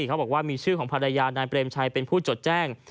เขาบอกว่ามีชื่อของภรรยานายเปรมชัยเป็นผู้จดแจ้ง